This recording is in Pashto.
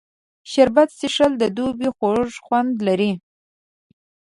شربت څښل د دوبي خوږ خوند لري